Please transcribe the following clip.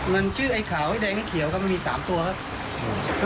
มันชื่อไอขาวไอแดงไอเขียวก็มี๓ตัวครับ